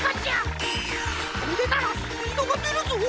これならスピードがでるぞ！